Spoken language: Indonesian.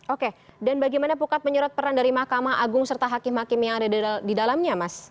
oke dan bagaimana pukat menyerot peran dari mahkamah agung serta hakim hakim yang ada di dalamnya mas